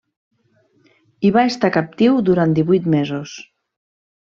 Hi va estar captiu durant divuit mesos.